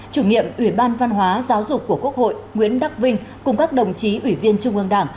chủ nhiệm ủy ban văn hóa giáo dục của quốc hội nguyễn đắc vinh cùng các đồng chí ủy viên trung ương đảng